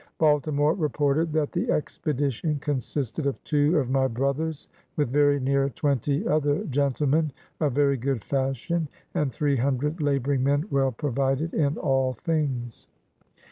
Baltimore reported that the expedition consisted of "two of my brothers with very near twenty other gentlemen of very good fashion, and three hundred labouring men well provided in all things.